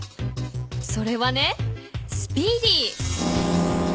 それはねスピーディー。